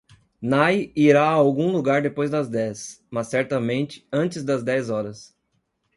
Nai irá a algum lugar depois das dez, mas certamente antes das dez horas.